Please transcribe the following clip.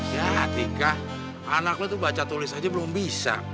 ya atika anak lo tuh baca tulis aja belum bisa